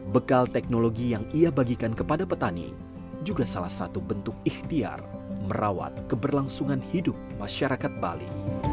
bekal teknologi yang ia bagikan kepada petani juga salah satu bentuk ikhtiar merawat keberlangsungan hidup masyarakat bali